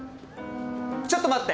ちょっと待って！